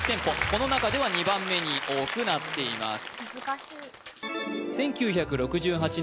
この中では２番目に多くなっています